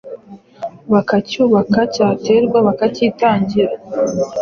bakacyubaka, cyaterwa bakacyitangira.